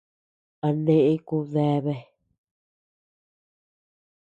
A neʼe kubdeabea.